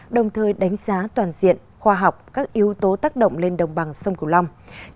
đồng thời đánh giá toàn diện khoa học các yếu tố tác động lên đồng bằng sông cửu long